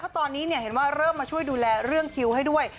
ตอนนี้เห็นว่าเริ่มมาช่วยดูแลเรื่องคิวให้ด้วย